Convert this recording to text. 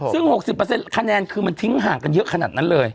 ซึ่ง๖๐คะแนนคือมันทิ้งห่างกันเยอะขนาดนั้นเลย